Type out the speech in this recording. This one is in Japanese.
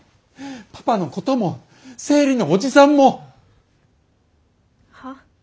パパのことも生理のおじさんもはっ？